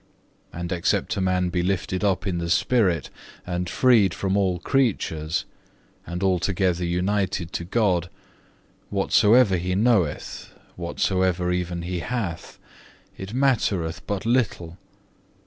And except a man be lifted up in the spirit, and freed from all creatures, and altogether united to God, whatsoever he knoweth, whatsoever even he hath, it mattereth but little.